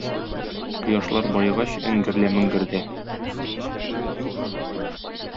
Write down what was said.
Кояшлар баегач, эңгер лә меңгердә.